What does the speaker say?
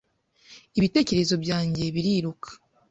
ibitekerezo byanjye biriruka,